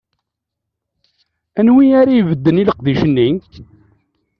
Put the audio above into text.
Aniwi ara ibedden i leqdic-nni?